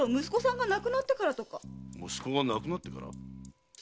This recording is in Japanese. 息子が亡くなってから？